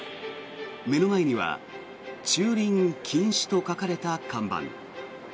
目の前には駐輪禁止と書かれた看板。